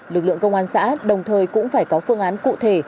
lực lượng công an xã đồng thời cũng phải có phương án cụ thể